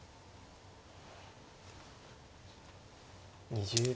２０秒。